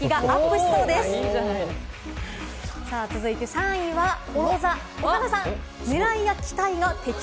３位はうお座、岡田さん。